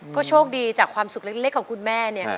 ก็โชคดีจากความสุขเล็กของคุณแม่เนี่ย